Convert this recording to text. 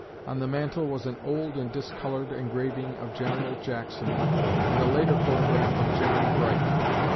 On the mantel was an old and discolored engraving of General Jackson and a later photograph of John Bright.